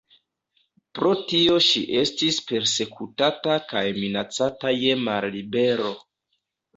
Pro tio ŝi estis persekutata kaj minacata je mallibero.